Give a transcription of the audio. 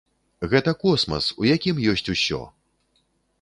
Гэта космас, у якім ёсць усё!